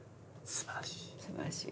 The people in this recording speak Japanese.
すばらしい。